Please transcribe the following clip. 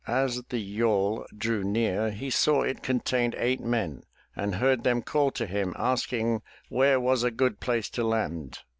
As the yawl drew near, he saw it contained eight men and heard them call to him asking where was a good place to land.